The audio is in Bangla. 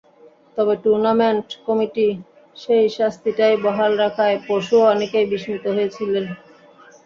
তবে টুর্নামেন্ট কমিটি সেই শাস্তিটাই বহাল রাখায় পরশু অনেকেই বিস্মিত হয়েছিলেন।